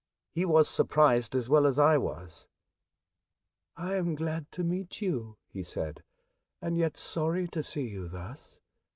He was surprised as well as I was. " I am glad to meet you," he said, *' and yet sorry to see you thus.